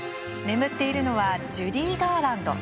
眠っているのはジュディ・ガーランド。